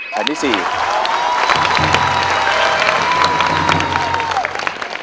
แผ่นที่๔ครับ